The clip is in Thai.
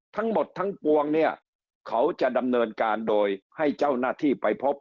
ทั้งหมดทั้งปวงเนี่ยเขาจะดำเนินการโดยให้เจ้าหน้าที่ไปพบ